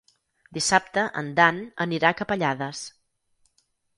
Dissabte en Dan anirà a Capellades.